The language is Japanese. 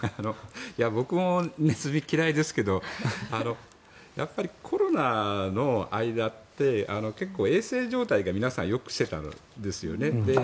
僕もネズミ、嫌いですけどやっぱりコロナの間って結構、衛生状態を皆さんよくしていたんですよね。